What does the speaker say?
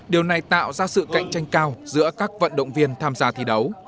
điều này tạo ra sự cạnh tranh cao giữa các vận động viên tham gia thi đấu